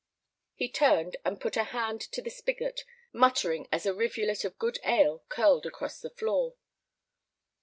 He turned and put a hand to the spigot, muttering as a rivulet of good ale curled across the floor.